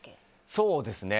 そうですね。